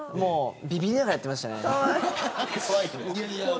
びびりながらやってましたね。